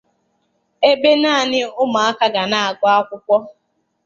ebe naanị ụmụaka ga na-agụ akwụkwọ.